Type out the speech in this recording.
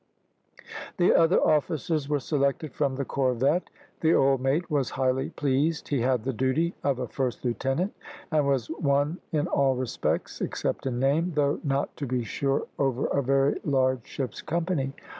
The other officers were selected from the corvette. The old mate was highly pleased. He had the duty of a first lieutenant, and was one in all respects, except in name, though not to be sure over a very large ship's company.